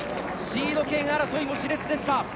シード権争いも熾烈でした。